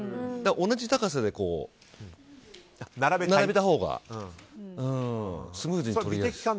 同じ高さで並べたほうがスムーズに取りやすい。